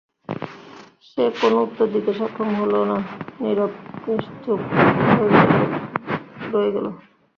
সে কোন উত্তর দিতে সক্ষম হল না, নীরব-নিচ্ছুপ হয়ে রয়ে গেল।